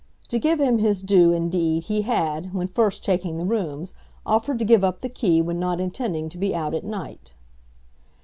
To give him his due, indeed, he had, when first taking the rooms, offered to give up the key when not intending to be out at night.